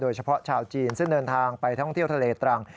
เฉพาะชาวจีนซึ่งเดินทางไปท่องเที่ยวทะเลตรัง